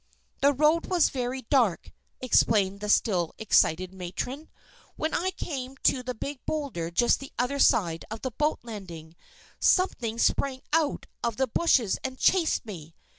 "The road was very dark," explained the still excited matron. "When I came to the big boulder just the other side of the boat landing, something sprang out of the bushes and chased me.